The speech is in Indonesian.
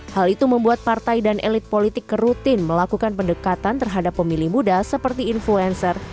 hal itu membuat partai dan elit politik kerutin melakukan pendekatan terhadap pemilih muda seperti influencer